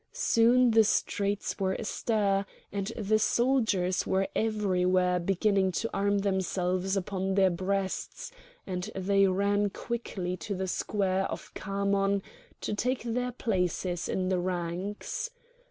Soon the streets were astir, and the soldiers were everywhere beginning to arm themselves upon their breasts; then they ran quickly to the square of Khamon to take their places in the ranks.